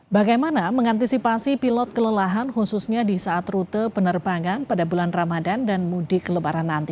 bagaimana mengantisipasi pilot kelelahan khususnya di saat rute penerbangan pada bulan ramadan dan mudik lebaran nanti